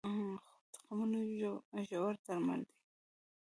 خوب د غمونو ژور درمل دی